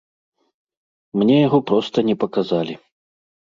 Мне яго проста не паказалі.